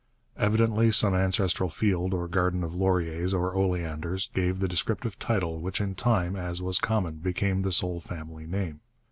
Evidently some ancestral field or garden of lauriers or oleanders gave the descriptive title which in time, as was common, became the sole family name.